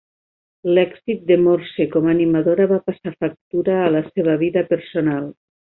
L'èxit de Morse com a animadora va passar factura a la seva vida personal.